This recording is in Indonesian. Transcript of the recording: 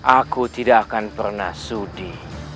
aku tidak akan pernah sudi